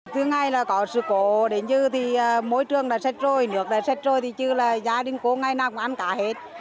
thứ hai là có sự cố môi trường đã xét rồi nước đã xét rồi chứ là gia đình cô ngày nào cũng ăn cả hết